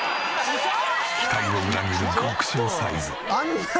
期待を裏切る極小サイズ。